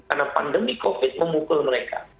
karena pandemi covid memukul mereka